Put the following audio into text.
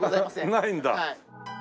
ないんだ。